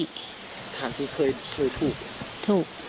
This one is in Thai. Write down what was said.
อธิษฐานที่เคยทูบ